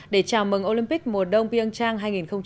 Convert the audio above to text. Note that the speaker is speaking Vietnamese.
để chào mừng olympic mùa đông pyeongchang hai nghìn một mươi tám